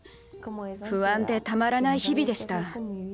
不安でたまらない日々でした。